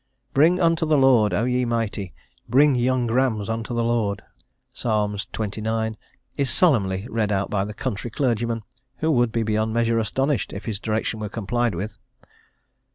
"Bring unto the Lord, O ye mighty, bring young rams unto the Lord" (Ps. xxix.), is solemnly read out by the country clergyman, who would be beyond measure astonished if his direction were complied with.